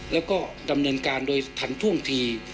แล้วก็ดำเนินการโดยทันท่วงที